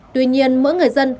tuy nhiên mỗi người dân